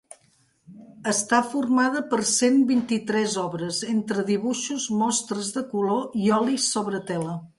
Està formada per cent vint-i-tres obres, entre dibuixos, mostres de color i olis sobre tela.